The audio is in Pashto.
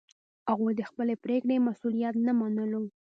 هغوی د خپلې پرېکړې مسوولیت نه منلو.